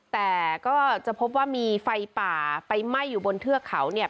แต่ก็จะพบว่ามีไฟป่าไปไหม้อยู่บนเทือกเขาเนี่ย